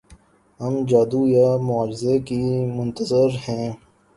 ہم جادو یا معجزے کے منتظر ہیں۔